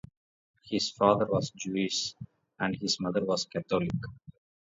His father was Jewish and his mother was Catholic.